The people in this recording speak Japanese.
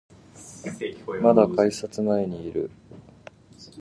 まだ改札前にいる